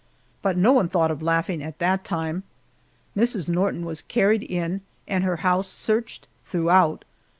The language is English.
But no one thought of laughing at that time. Mrs. Norton was carried in, and her house searched throughout.